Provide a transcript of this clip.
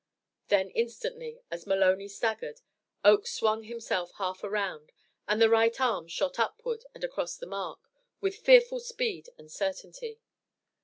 Then instantly, as Maloney staggered, Oakes swung himself half around, and the right arm shot upward and across to the mark, with fearful speed and certainty.